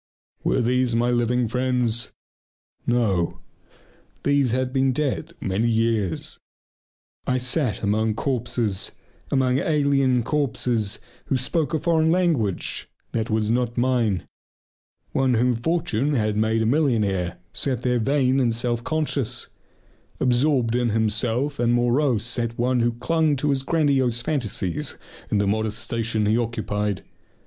Were these my living friends? No, these had been dead many years. I sat among corpses, among alien corpses who spoke a language that was not mine. One whom fortune had made a millionaire sat there vain and self conscious. Absorbed in himself and morose sat one who clung to his grandiose fantasies in the modest station he occupied.